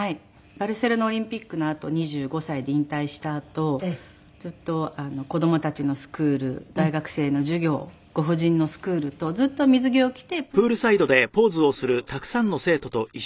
バルセロナオリンピックのあと２５歳で引退したあとずっと子供たちのスクール大学生の授業ご婦人のスクールとずっと水着を着てプールに入る指導は続けてきたんですけれども。